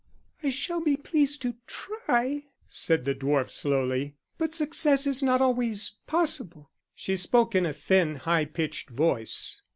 "I shall be pleased to try," said the dwarf slowly. "But success is not always possible." She spoke in a thin high pitched voice.